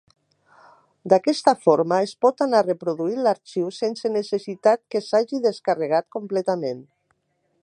D'aquesta forma es pot anar reproduint l'arxiu sense necessitat que s'hagi descarregat completament.